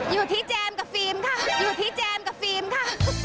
อยู่ที่แจ๊มกับฟิล์มค่ะอยู่ที่แจ๊มกับฟิล์มค่ะ